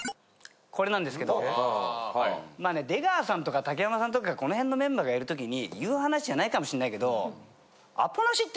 これなんですけどまあね出川さんとか竹山さんとかこの辺のメンバーがいる時に言う話じゃないかもしんないけど。